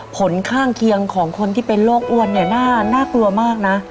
ผลข้างเคียงของคนที่เป็นโรคอ้วนเนี่ยน่ากลัวมากนะ